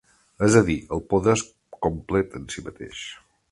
És a dir, el poder és complet en si mateix.